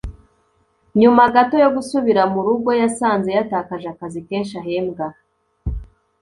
nyuma gato yo gusubira mu rugo, yasanze yatakaje akazi kenshi ahembwa